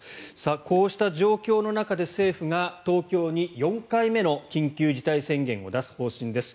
こういった状況の中政府が東京に４回目の緊急事態宣言を出す方針です。